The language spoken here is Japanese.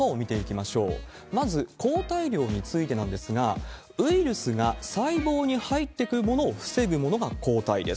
まず抗体量についてなんですが、ウイルスが細胞に入ってくるものを防ぐものが抗体です。